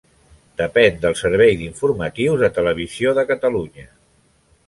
Depèn del servei d'informatius de Televisió de Catalunya.